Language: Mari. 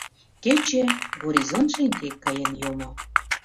Кече горизонт шеҥгек каен йомо.